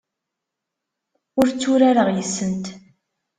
Ur tturareɣ yes-sent.